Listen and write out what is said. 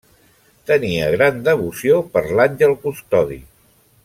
Tenia gran devoció per l'Àngel Custodi.